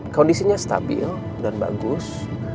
kondisinya stabil dan bagus